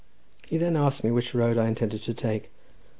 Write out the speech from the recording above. He then asked me which road I intended to take.